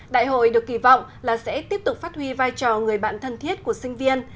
đại hội được kỳ vọng là sẽ tiếp tục phát huy vai trò người bạn thân thiết của sinh viên